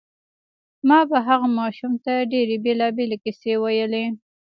ما به هغه ماشوم ته ډېرې بېلابېلې کیسې ویلې